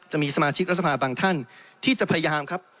จะมีสมาชิกรัฐสภาบางท่านที่จะพยายามครับ